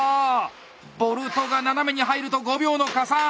ボルトが斜めに入ると５秒の加算。